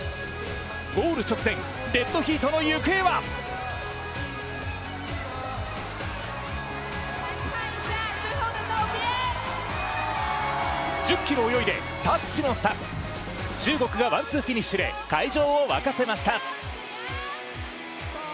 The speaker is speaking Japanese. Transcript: ゴール直前、デッドヒートの行方は１０ｋｍ泳いでタッチの差、中国がワンツーフィニッシュで会場を沸かせました。